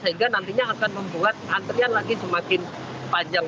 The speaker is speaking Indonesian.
sehingga nantinya akan membuat antrian lagi semakin panjang